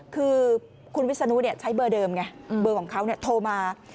คือคุณวิศนุใช้เบอร์เดิมไงเบอร์ของเขาโทรมา